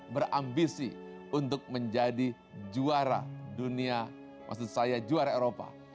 berambisi untuk menjadi juara dunia maksud saya juara eropa